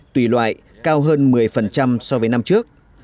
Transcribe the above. tùy loại cao hơn một mươi so với năm trước